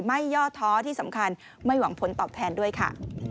ย่อท้อที่สำคัญไม่หวังผลตอบแทนด้วยค่ะ